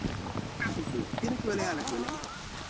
kapesi o, sina kule ala kule?